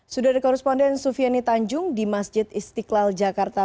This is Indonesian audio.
sudara korresponden sufiani tanjung di masjid istiqlal jakarta